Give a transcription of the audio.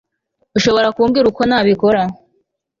Ushobora kumbwira uko nabikora